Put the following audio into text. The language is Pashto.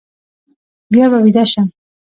بیا به ویده شم.